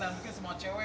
dan mungkin semua cewek